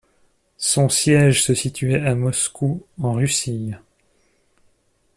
Son siège se situait à Moscou, en Russie.